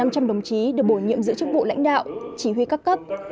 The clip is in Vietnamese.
có gần năm năm trăm linh đồng chí được bổ nhiệm giữa chức vụ lãnh đạo chỉ huy các cấp